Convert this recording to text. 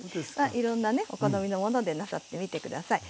いろんなねお好みのものでなさってみて下さい。